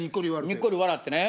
にっこり笑ってね。